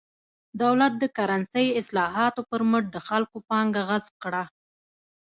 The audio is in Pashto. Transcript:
دولت د کرنسۍ اصلاحاتو پر مټ د خلکو پانګه غصب کړه.